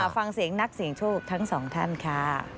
ฟังเสียงนักเสียงโชคทั้งสองท่านค่ะ